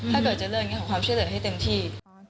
ถ้าเกิดเจริญอย่างนี้ขอความเชื่อเหลือให้เต็มที่